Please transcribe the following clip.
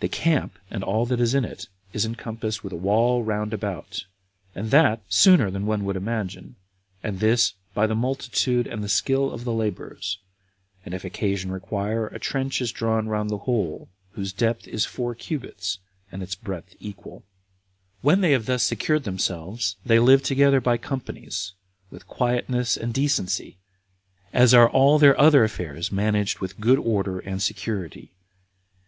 The camp, and all that is in it, is encompassed with a wall round about, and that sooner than one would imagine, and this by the multitude and the skill of the laborers; and, if occasion require, a trench is drawn round the whole, whose depth is four cubits, and its breadth equal. 3. When they have thus secured themselves, they live together by companies, with quietness and decency, as are all their other affairs managed with good order and security.